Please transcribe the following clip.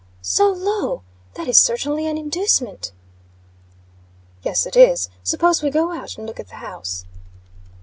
"So low! That is certainly an inducement." "Yes, it is. Suppose we go out and look at the house?"